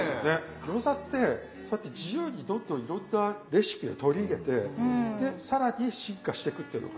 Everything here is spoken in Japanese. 餃子ってそうやって自由にどんどんいろんなレシピを取り入れてで更に進化してくっていうのが。